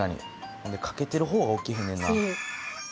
ほんでかけてる方は起きへんねんな。